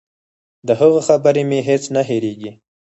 د هغه خبرې مې هېڅ نه هېرېږي.